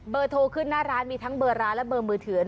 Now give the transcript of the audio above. โทรขึ้นหน้าร้านมีทั้งเบอร์ร้านและเบอร์มือถือ